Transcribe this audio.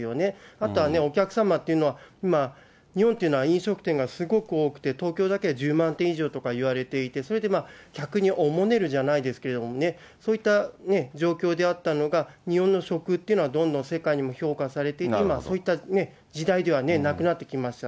あとはね、お客様というのは今、日本っていうのは、飲食店がすごく多くて、東京だけで１０万店以上とかいわれていて、それで客におもねるじゃないですけどもね、そういった状況であったのが日本の食というのはどんどん世界にも評価されて、今、そういった時代ではなくなってきました。